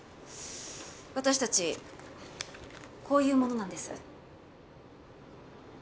私たちこういう者なんです。